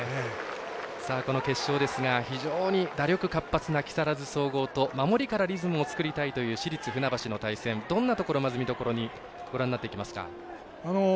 この決勝ですが非常に打力活発な木更津総合と守りからリズムを作りたいという市立船橋の対戦どんなところを見どころにご覧になっていきますか。